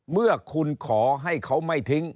เมื่อคุณขอให้เขาไม่ทิ้ง